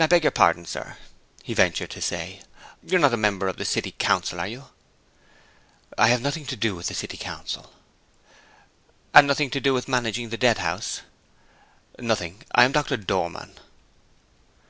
"I beg your pardon, sir," he ventured to say, "you're not a member of the city council, are you?" "I have nothing to do with the city council." "And nothing to do with managing the Deadhouse?" "Nothing. I am Doctor Dormann."